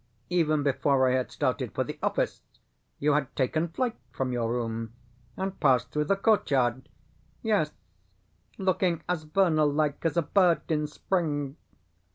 Even before I had started for the office you had taken flight from your room, and passed through the courtyard yes, looking as vernal like as a bird in spring.